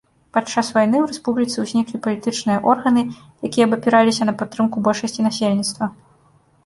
Падчас вайны ў рэспубліцы ўзніклі палітычныя органы, якія абапіраліся на падтрымку большасці насельніцтва.